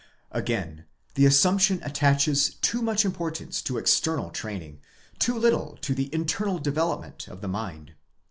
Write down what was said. Again, the assumption attaches too much importance to external training, too little to the internal development of the mind.